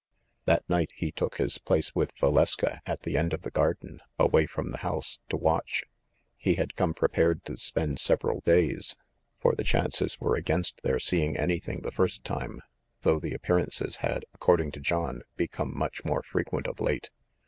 That night he took his place with Valeska at the end of the garden, away from the house, to watch. He had come prepared to spend several days; for the chances were against their seeing anything the first time, though the appearances had, according to John, become much more frequent of late.